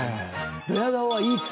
どや顔はいいって。